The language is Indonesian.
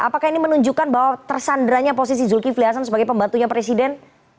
apakah ini menunjukkan bahwa tersandranya posisi zulkifli hasan sebagai pembantunya presiden